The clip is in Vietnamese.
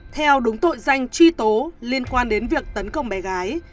theo đúng tội danh truy tố liên quan đến việc tấn công bé gái